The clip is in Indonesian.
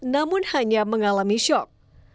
namun hanya mengalami shock